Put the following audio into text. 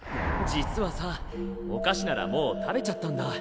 実はさお菓子ならもう食べちゃったんだ。